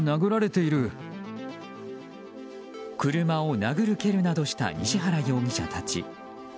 車を殴る蹴るなどした西原容疑者たち。